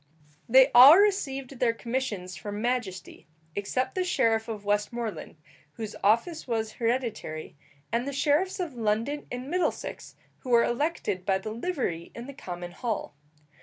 They all received their commissions from majesty, except the sheriff of Westmoreland, whose office was hereditary, and the sheriffs of London and Middlesex, who were elected by the livery in the common hall.